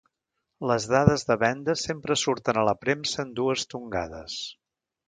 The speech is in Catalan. Les dades de vendes sempre surten a la premsa en dues tongades.